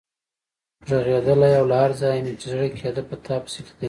غږېدلای او له هر ځایه مې چې زړه کېده په تا پسې لیدلی.